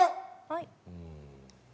はい。